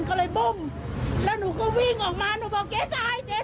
สวยชีวิตทั้งคู่ก็ออกมาไม่ได้อีกเลยครับ